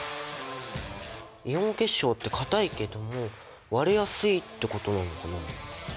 イオン結晶って硬いけども割れやすいってことなのかな？